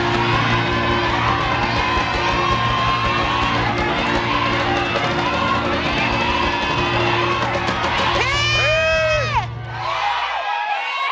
ขอมอบรางวัลค่ะขอมอบรางวัลค่ะขอระวังเรื่องนะคะอาจารย์ชนละทีคางทองจะเป็นผู้มอบถ้วยรางวัลนะคะ